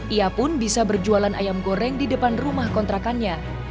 ia pun bisa berjualan ayam goreng di depan rumah kontrakannya